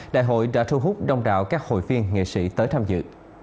đại hội đã thu hút đông đạo các hội viên nghệ sĩ tới tham dự